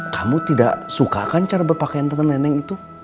kamu tidak sukakan cara berpakaian tante neneng itu